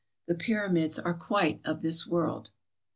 The Pyramids are quite of this world.